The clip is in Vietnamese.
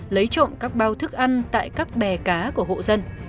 lấy trộm các bao thức ăn tại các bè cá của hộ dân